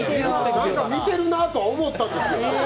何か見てるなと思ったんですよ。